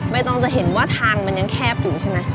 ต้องจะเห็นว่าทางมันยังแคบอยู่ใช่ไหม